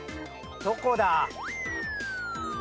どこだ？